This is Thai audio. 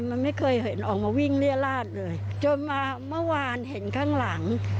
มันไม่เคยเห็นออกมาวิ่งเรียราชเลยจนมาเมื่อวานเห็นข้างหลัง